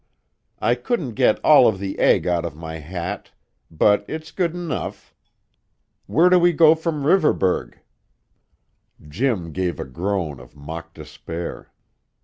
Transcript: "I couldn't get all of the egg out of my hat, but it's good enough. Where do we go from Riverburgh?" Jim gave a groan of mock despair.